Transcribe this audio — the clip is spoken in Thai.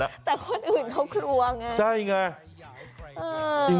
แต่คนอื่นเขากลัวไงใช่ไง